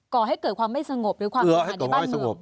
ก่อให้เกิดความไม่สงบหรือความเสียหายในบ้านเมือง